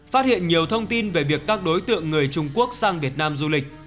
phát hiện nhiều thông tin về việc các đối tượng người trung quốc sang việt nam du lịch